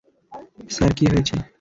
Sir, কী হয়েছে?